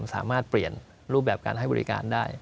สามารถเปลี่ยนรูปแบบการให้บริการได้